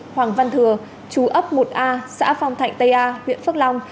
hoàng văn thừa chú ấp một a xã phong thạnh tây a huyện phước long